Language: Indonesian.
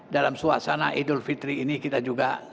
dalam suasana idul fitri ini kita juga